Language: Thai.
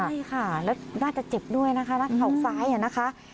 นี่ค่ะแล้วน่าจะเจ็บด้วยนะคะข่าวซ้ายน่ะค่ะ